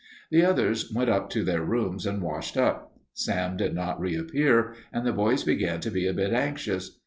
The others went up to their rooms and washed up. Sam did not reappear, and the boys began to be a bit anxious.